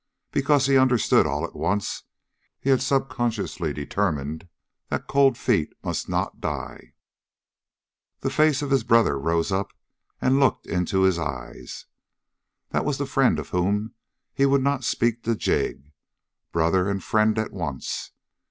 Because, he understood all at once, he had subconsciously determined that Cold Feet must not die! The face of his brother rose up and looked into his eyes. That was the friend of whom he would not speak to Jig, brother and friend at once.